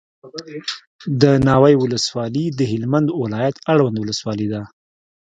دناوی ولسوالي دهلمند ولایت اړوند ولسوالي ده